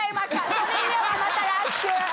それではまた来週！